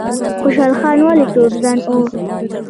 خوشحال خان ولې تورزن و؟